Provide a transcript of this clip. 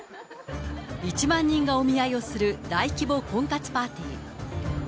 １万人がお見合いをする大規模婚活パーティー。